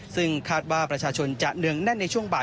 ซึ่งคาดว่าประชาชนจะเนืองแน่นในช่วงบ่าย